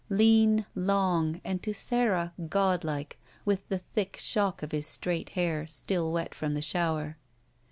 Lean, long, and, to Sara, godlike, with the thick shock of his straight hair, still wet from the •shower.